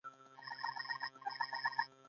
مصنوعي ځیرکتیا د اخلاقي چوکاټ اړتیا څرګندوي.